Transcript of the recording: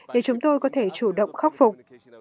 để chúng tôi có thể chủ động khắc phục